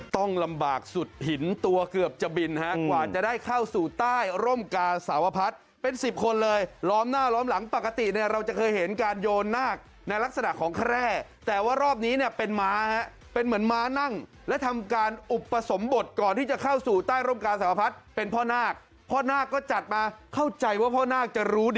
ต้องลำบากสุดหินตัวเกือบจะบินฮะกว่าจะได้เข้าสู่ใต้ร่มกาสาวพัฒน์เป็นสิบคนเลยล้อมหน้าล้อมหลังปกติเนี่ยเราจะเคยเห็นการโยนนาคในลักษณะของแคร่แต่ว่ารอบนี้เนี่ยเป็นม้าฮะเป็นเหมือนม้านั่งและทำการอุปสมบทก่อนที่จะเข้าสู่ใต้ร่มกาสาวพัฒน์เป็นพ่อนาคพ่อนาคก็จัดมาเข้าใจว่าพ่อนาคจะรู้